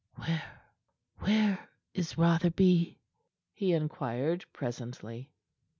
"Where where is Rotherby?" he inquired presently.